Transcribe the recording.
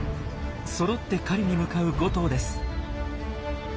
そろって狩りに向かう５頭です。